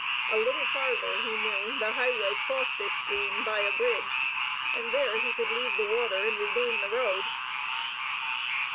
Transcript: A little farther, he knew, the highway crossed this stream by a bridge, and there he could leave the water and regain the road.